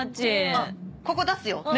あっここ出すよね？